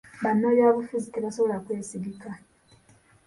Bannabyabufuzi tebasobola kwesigibwa,